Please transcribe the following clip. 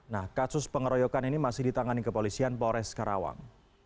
nah kasus pengeroyokan ini masih ditangani kepolisian polres karawang